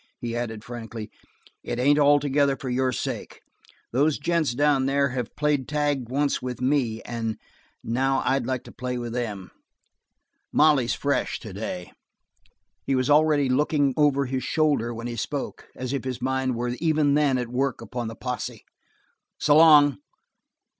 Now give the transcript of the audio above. He added frankly: "It ain't altogether for your sake. Those gents down there have played tag once with me and now I'd like to play with them. Molly's fresh today." He was already looking over his shoulder while he spoke; as if his mind were even then at work upon the posse. "S'long."